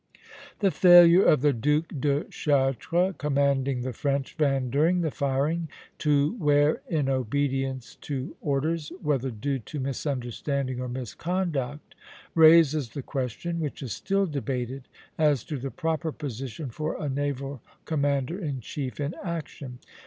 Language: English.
The failure of the Duc de Chartres, commanding the French van during the firing, to wear in obedience to orders, whether due to misunderstanding or misconduct, raises the question, which is still debated, as to the proper position for a naval commander in chief in action.